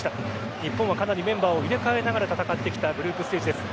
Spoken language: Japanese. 日本は、かなりメンバーを入れ替えながら戦ってきたグループステージです。